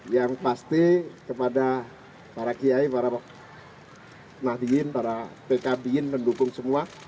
yang pasti kepada para kiai para nahdien para pkbin mendukung semua